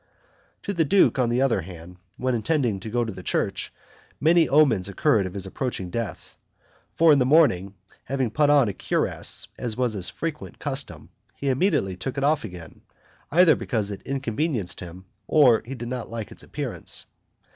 To the duke, on the other hand, when intending to go to the church, many omens occurred of his approaching death; for in the morning, having put on a cuirass, as was his frequent custom, he immediately took it off again, either because it inconvenienced him, or that he did not like its appearance.